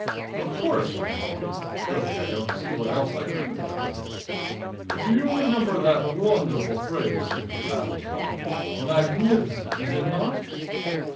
"Of course," I agreed. Really, I don't see what else I could have done. "Do you remember that wonderful phrase " and he rattled it off. "Magnificent, is it not?"